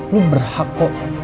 lo berhak kok